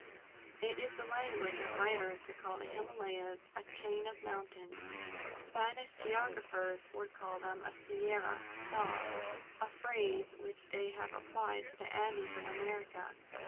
It is the language of writers to call the Himalayas a "chain of mountains." Spanish geographers would call them a "sierra" (saw) a phrase which they have applied to the Andes of America.